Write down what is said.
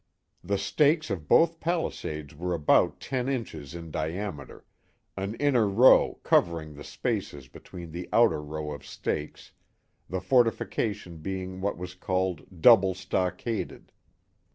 The stakes of both palisades were about ten inches in diameter, an inner row covering the spaces between the outer row of stakes, the fortification being what was called double stockaded.